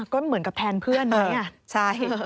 ก็เหมือนกับแผนเพื่อนมั้ย